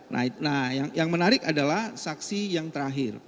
nah yang menarik adalah saksi yang terakhir